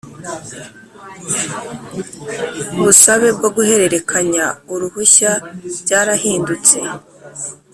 Ubusabe bwo guhererekanya uruhushya byarahindutse